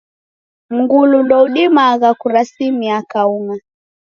Mlungu ndoudimagha kurasimia kaung'a.